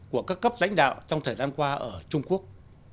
của các cấp lãnh đạo trong thời gian qua ở trung quốc